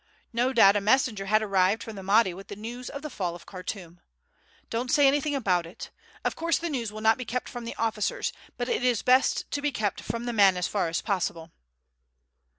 No doubt a messenger had arrived from the Mahdi with the news of the fall of Khartoum. Don't say anything about it. Of course the news will not be kept from the officers, but it is to be kept from the men as far as possible."